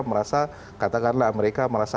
merasa katakanlah amerika merasa